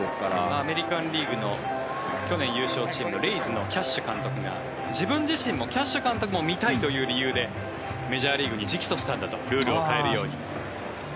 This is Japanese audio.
アメリカン・リーグの去年優勝チームのレイズのキャッシュ監督が自分自身もキャッシュ監督も見たいという理由でメジャーリーグに直訴したんだとルールを変えるように。